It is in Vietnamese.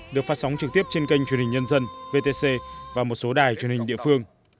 được phát sóng trực tiếp trên kênh truyền hình nhân dân vtc và một số đài truyền hình địa phương